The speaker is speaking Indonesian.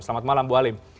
selamat malam bu alim